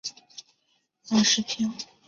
买了巴士票